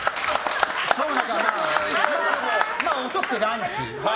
遅くてランチ。